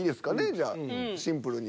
じゃあシンプルに。